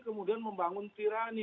kemudian membangun tirani